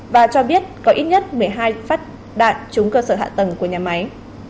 và cho biết có ít nhất một mươi hai phát đạn trúng cơ sở hạ tầng của nhà máy